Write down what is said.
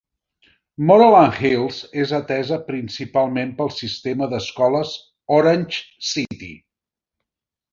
Moreland Hills és atesa principalment pel Sistema d'Escoles Orange City.